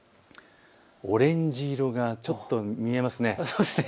オレンジ色がちょっとだけ見えますね。